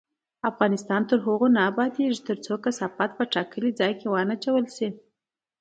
افغانستان تر هغو نه ابادیږي، ترڅو کثافات په ټاکلي ځای کې ونه اچول شي.